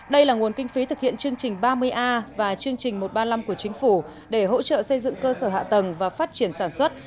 đây là nguồn kinh phí thực hiện chương trình ba mươi a và chương trình một trăm ba mươi năm của chính phủ để hỗ trợ xây dựng cơ sở hạ tầng và phát triển sản xuất